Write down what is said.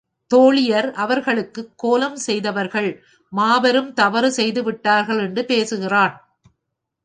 தோழியர் அவர்களுக்குக் கோலம் செய்தவர்கள் மாபெரும் தவறு செய்து விட்டார்கள் என்று பேசுகிறான்.